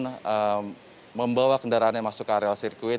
dan membawa kendaraannya masuk ke area sirkuit